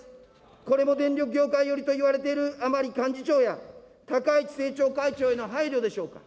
これも電力業界寄りといわれている甘利幹事長や高市政調会長への配慮でしょうか。